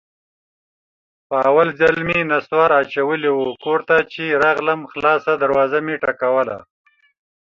په اول ځل مې نصوار اچولي وو، کور ته چې راغلم خلاصه دروازه مې ټکوله.